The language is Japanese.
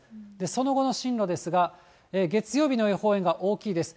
その後の進路ですが、月曜日の予報円が大きいです。